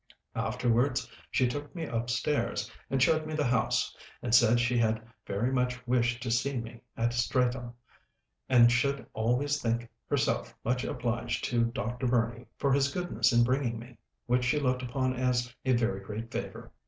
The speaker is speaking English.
Afterwards she took me up stairs, and showed me the house, and said she had very much wished to see me at Streatham; and should always think herself much obliged to Dr. Burney for his goodness in bringing me, which she looked upon as a very great favor.